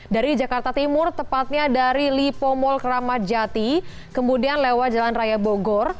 dari jakarta timur tepatnya dari lipo mall keramat jati kemudian lewat jalan raya bogor